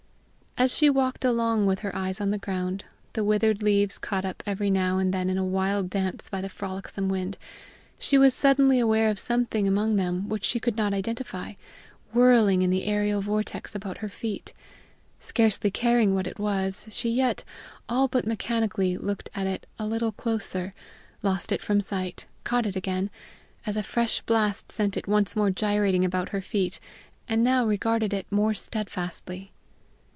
As she walked along with her eyes on the ground, the withered leaves caught up every now and then in a wild dance by the frolicsome wind, she was suddenly aware of something among them which she could not identify, whirling in the aerial vortex about her feet. Scarcely caring what it was, she yet, all but mechanically, looked at it a little closer, lost it from sight, caught it again, as a fresh blast sent it once more gyrating about her feet, and now regarded it more steadfastly.